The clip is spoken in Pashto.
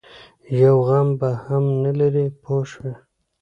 یو غم به هم نه لري پوه شوې!.